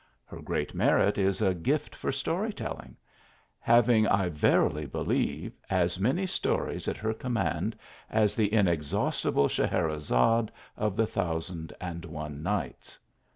Her great merit is a gift for story tell 63 THE ALHAMBZA. ing ; having, I verily believe, as many stones at her command as the inexhaustible Scheherezade of the thousand and one nights.